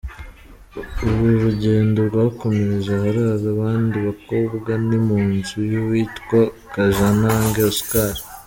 Uru rugendo rwakomereje aharara abandi bakobwa, ni mu nzu y’uwitwa Kajanage Oscar.